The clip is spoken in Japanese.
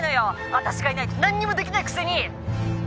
私がいないと何にもできないくせに！